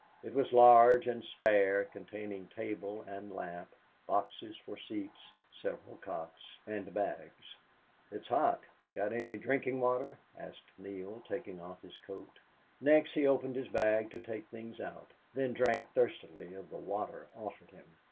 It was large and spare, containing table and lamp, boxes for seats, several cots, and bags. "It's hot. Got any drinking water?" asked Neale, taking off his coat. Next he opened his bag to take things out, then drank thirstily of the water offered him.